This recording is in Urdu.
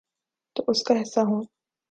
تو اس کا حصہ ہوں۔